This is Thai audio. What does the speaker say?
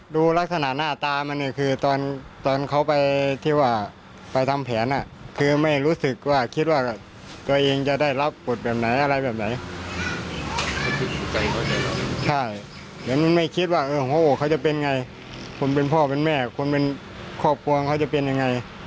ดูลักษณะหน้าตามันเนี่ยคือตอน